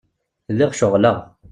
Lliɣ ceɣleɣ.